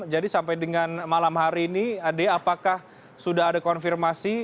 jadi sampai dengan malam hari ini adia apakah sudah ada konfirmasi